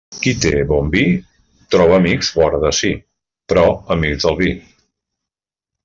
Qui té bon vi troba amics vora de si, però amics del vi.